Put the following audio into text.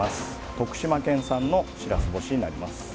徳島県産のしらす干しになります。